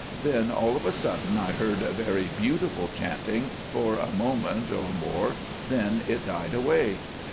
Then all of a sudden I heard very beautiful chanting for a moment or more, then it died away.